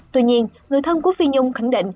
tuy nhiên người thân của phi nhung khẳng định